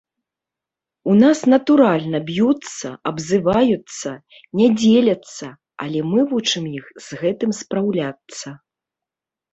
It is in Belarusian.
У нас, натуральна, б'юцца, абзываюцца, не дзеляцца, але мы вучым іх з гэтым спраўляцца.